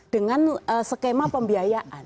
dengan skema pembiayaan